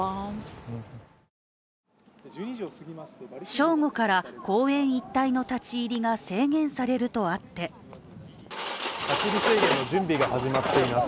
正午から公園一帯の立ち入りが制限されるとあって立ち入り制限の準備が始まっています。